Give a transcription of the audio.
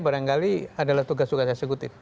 barangkali adalah tugas tugas eksekutif